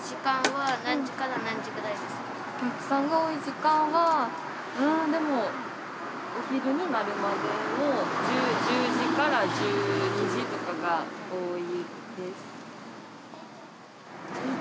お客さんが多い時間はうーんでもお昼になるまでの１０時から１２時とかが多いです。